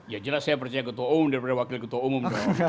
ya jelas saya percaya ketua umum daripada wakil ketua umum